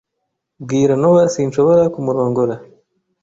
Bwira Nowa sinshobora kumurongora.